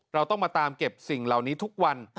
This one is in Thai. เราต้องมาตามเก็บสิ่งเหล่านี้ทุกวัน